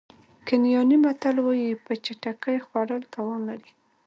کینیايي متل وایي په چټکۍ خوړل تاوان لري.